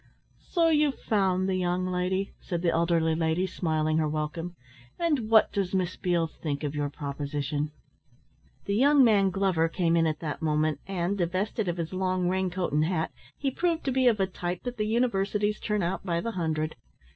"So you found the young lady," said the elderly lady, smiling her welcome, "and what does Miss Beale think of your proposition?" The young man Glover came in at that moment, and divested of his long raincoat and hat, he proved to be of a type that the Universities turn out by the hundred.